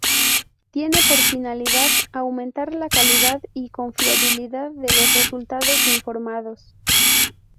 Tiene por finalidad aumentar la calidad y confiabilidad de los resultados informados.